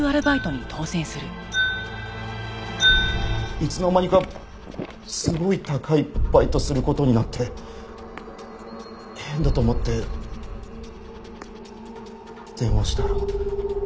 いつの間にかすごい高いバイトする事になって変だと思って電話したら。